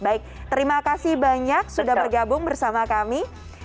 baik terima kasih banyak sudah bergabung bersama kami